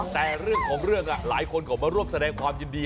แต่เรื่องของเรื่องหลายคนก็มาร่วมแสดงความยินดี